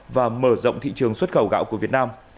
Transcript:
và mở rộng thị trường xuất khẩu gạo của việt nam